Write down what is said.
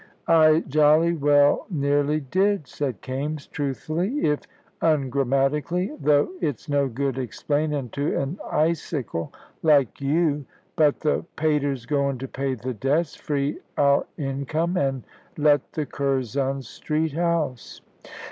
"I jolly well nearly did," said Kaimes, truthfully, if ungrammatically, "though it's no good explainin' to an icicle like you. But the pater's goin' to pay the debts, free our income, an' let the Curzon Street house."